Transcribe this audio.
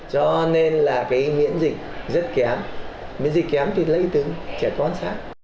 cho nên là cái miễn dịch rất kém miễn dịch kém thì lấy từ trẻ quan sát